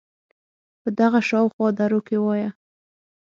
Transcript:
په دغه شااو خوا دروکې وایه